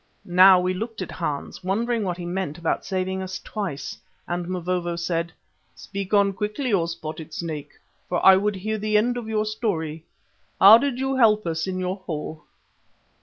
Now we looked at Hans, wondering what he meant about saving us twice, and Mavovo said: "Speak on quickly, O Spotted Snake, for I would hear the end of your story. How did you help us in your hole?"